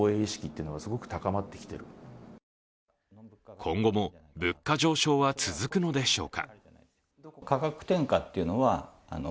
今後も物価上昇は続くのでしょうか。